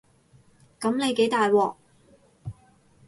噉你幾大鑊